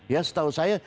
ya setahu saya